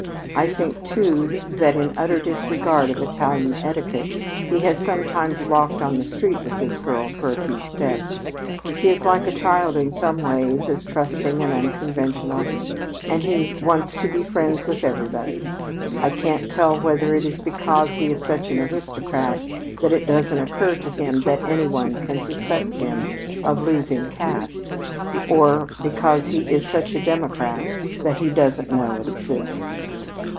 I think, too, that in utter disregard of Italian etiquette he has sometimes walked on the street with this girl for a few steps. He is like a child in some ways, as trusting and unconventional, and he wants to be friends with everybody. I can't tell whether it is because he is such an aristocrat that it doesn't occur to him that any one can suspect him of losing caste, or because he is such a democrat that he doesn't know it exists.